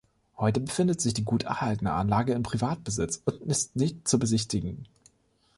Heute befindet sich die gut erhaltene Anlage in Privatbesitz und ist nicht zu besichtigen.